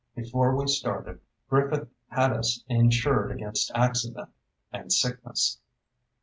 Before we started, Griffith had us insured against accident, and sickness.